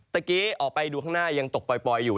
กี้ออกไปดูข้างหน้ายังตกปล่อยอยู่